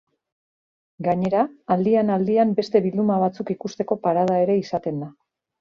Gainera, aldian-aldian beste bilduma batzuk ikusteko parada ere izaten da.